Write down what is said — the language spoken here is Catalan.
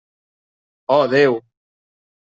Oh, Déu!